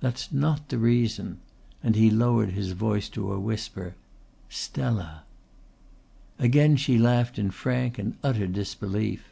"That's not the reason" and he lowered his voice to a whisper "Stella." Again she laughed in frank and utter disbelief.